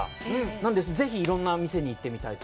なんで、ぜひいろんな店に行ってみたいと。